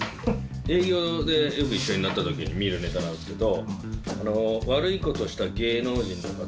営業でよく一緒になった時に見るネタなんですけど。